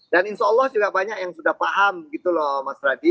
dan insya allah juga banyak yang sudah paham gitu loh mas radhi